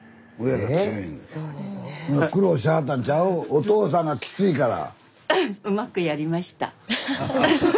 ⁉おとうさんがきついから。